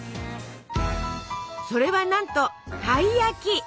それはなんとたい焼き！